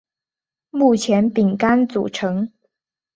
目前饼干组成。